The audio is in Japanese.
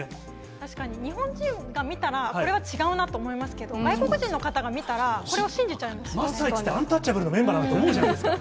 確かに日本人が見たら、これは違うなと思いますけど、外国人の方が見たら、これを信じ桝太一ってアンタッチャブルのメンバーだと思うじゃないですか。